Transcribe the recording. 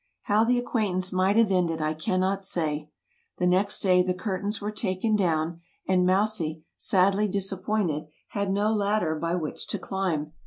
How the acquaintance might have ended I cannot say. The next day the curtains were taken down and Mousie, sadly disappointed, had no ladder by which to climb.